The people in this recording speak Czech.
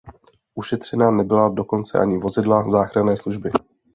Ušetřena nebyla dokonce ani vozidla záchranné služby.